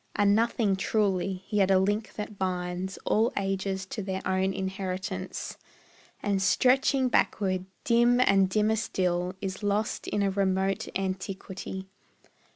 A nothing truly, yet a link that binds All ages to their own inheritance, And stretching backward, dim and dimmer still, Is lost in a remote antiquity.